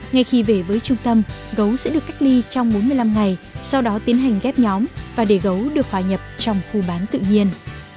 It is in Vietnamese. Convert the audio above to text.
ngay khi về với trung tâm gấu sẽ được cách ly trong bốn mươi năm ngày sau đó tiến hành ghép nhóm và để gấu được hòa nhập trong khu bán tự nhiên